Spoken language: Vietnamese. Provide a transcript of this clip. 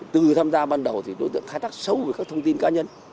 từ tham gia ban đầu thì đối tượng thái tác sâu với các thông tin cá nhân